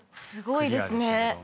すごいですね。